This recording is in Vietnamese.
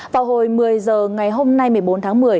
vào hồi một mươi h ngày hôm nay một mươi bốn tháng một mươi